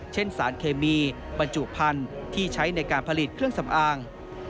เช่นสารเคมีบรรจุพันธุ์ที่ใช้ในการผลิตเครื่องสำอาง